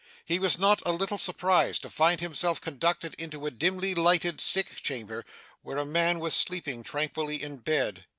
He was not a little surprised to find himself conducted into a dimly lighted sick chamber, where a man was sleeping tranquilly in bed.